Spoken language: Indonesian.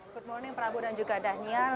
good morning prabu dan juga daniel